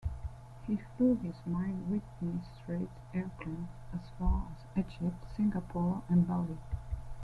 He flew his Miles Whitney Straight airplane as far as Egypt, Singapore, and Bali.